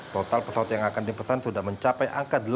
total pesawat yang akan dipesan sudah mencapai